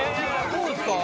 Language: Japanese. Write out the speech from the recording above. そうですか？